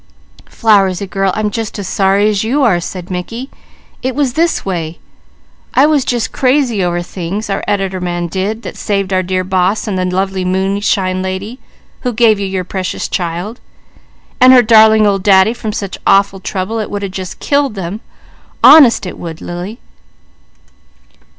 _" "Flowersy girl, I'm just as sorry as you are," said Mickey. "It was this way: I was just crazy over things our editor man did, that saved our dear boss and the lovely Moonshine Lady who gave you your Precious Child and her 'darling old Daddy' from such awful trouble it would just a killed them; honest it would Lily!